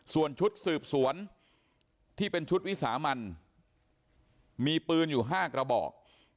ส่วนชุดสืบสวนที่เป็นชุดวิสามันมีปืนอยู่๕กระบอก